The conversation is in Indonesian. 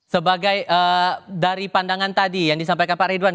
sebagai dari pandangan tadi yang disampaikan pak ridwan